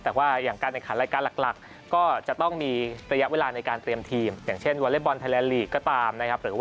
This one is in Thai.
แต่ว่าอย่างการแห่งขันรายการหลักก็จะต้องมีระยะเวลาในการเตรียมทีม